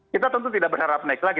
kita tentu tidak berharap naik lagi